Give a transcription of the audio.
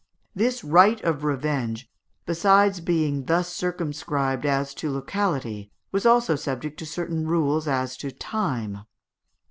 ] This right of revenge, besides being thus circumscribed as to locality, was also subject to certain rules as to time.